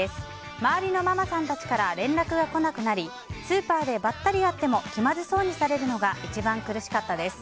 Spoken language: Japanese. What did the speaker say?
周りのママさんたちから連絡が来なくなりスーパーでばったり会っても気まずそうにされるのが一番苦しかったです。